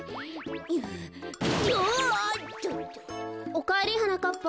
おかえりはなかっぱ。